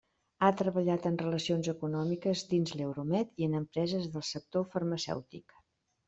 Ha treballat en relacions econòmiques dins l'Euromed i en empreses del sector farmacèutic.